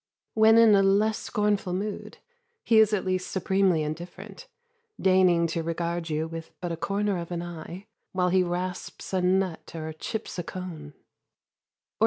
When in a less scornful mood, he is at least supremely indifferent, deigning to regard you with but the corner of an eye, while he rasps a nut or chips a cone.